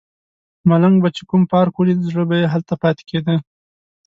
ملنګ به چې کوم پارک ولیده زړه به یې هلته پاتې کیده.